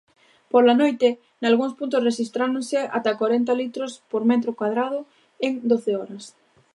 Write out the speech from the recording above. Pola noite nalgúns puntos rexistráronse ata corenta litros por metro cadrado en doce horas.